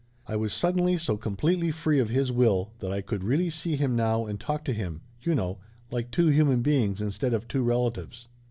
I was suddenly so completely free of his will that I could really see him now and talk to him you know like two human beings instead of two relatives.